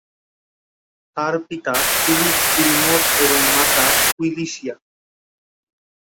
তার পিতা Philip Gilmore এবং মাতা উইলিশিয়া।